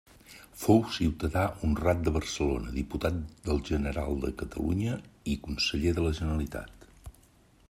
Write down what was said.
Fou ciutadà honrat de Barcelona, diputat del General de Catalunya i conseller de la Generalitat.